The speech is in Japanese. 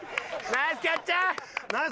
ナイスキャッチャー！